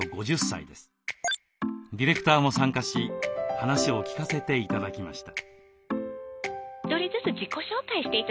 ディレクターも参加し話を聞かせて頂きました。